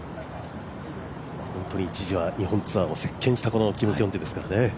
本当に一時は日本ツアーを席けんしたキム・キョンテですからね。